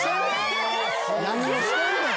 何してんねん！